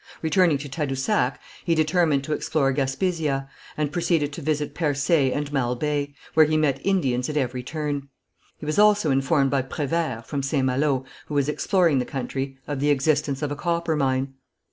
Returning to Tadousac, he determined to explore Gaspesia, and proceeded to visit Percé and Mal Bay, where he met Indians at every turn. He also was informed by Prévert, from St. Malo, who was exploring the country, of the existence of a copper mine.